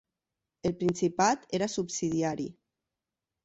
El principat era subsidiari.